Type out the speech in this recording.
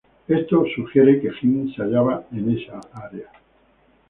Esto sugiere que Jin se hallaba en esa área.